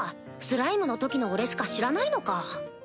スライムの時の俺しか知らないのか